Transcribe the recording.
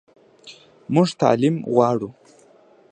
موږ تعلیم غواړو